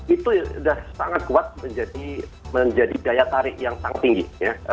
itu sudah sangat kuat menjadi daya tarik yang sangat tinggi ya